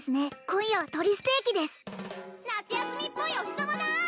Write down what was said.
今夜は鳥ステーキです・夏休みっぽいお日様だ！